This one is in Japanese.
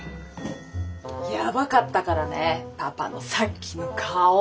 やばかったからねパパのさっきの顔。